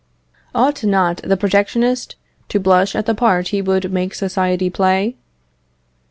Ought not the protectionist to blush at the part he would make society play?